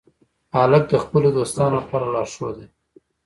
هلک د خپلو دوستانو لپاره لارښود دی.